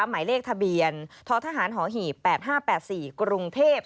หมายเลขทะเบียนท้อทหารหีบ๘๕๘๔กรุงเทพฯ